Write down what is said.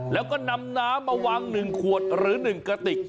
แล้วก็นำน้ำมาวางหนึ่งขวดหรือหนึ่งกระติก